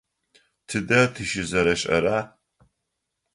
Тыдэ тыщызэрэшӏэра?